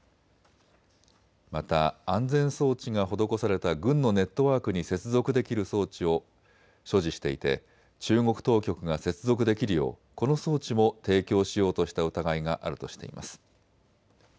また安全措置が施された軍のネットワークに接続できる装置を所持していて中国当局が接続できるよう、この装置も提供しようとした疑いがあるとしています。